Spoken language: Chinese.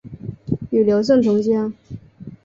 与刘胜同乡。